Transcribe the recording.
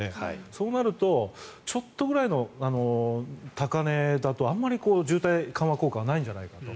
そうなるとちょっとぐらいの高値だとあまり渋滞緩和効果はないんじゃないかと。